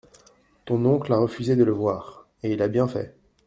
Ton oncle a refusé de le voir… et il a bien fait.